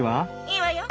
いいわよ。